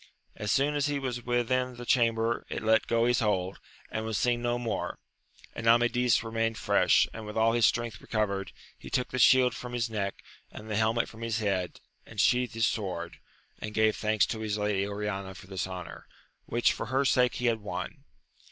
As soon as he was within the chamber it let go his hold, and was seen no more, and Amadis remained fresh, and with all his strength recovered; he took the shield from his neck and the helmet from his head, and sheathed his sword, and gave thanks to his lady Oriana for this honour, which for her sake he had won.